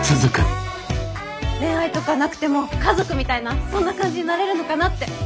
恋愛とかなくても家族みたいなそんな感じになれるのかなって。